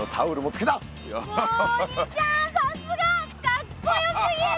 かっこよすぎる！